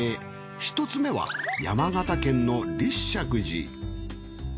１つ目は山形県の立石寺。